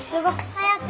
早く！